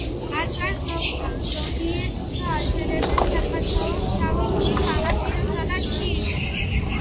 მათგან ზოგიერთს აშენებენ საქართველოს შავი ზღვის სანაპიროსა და თბილისში.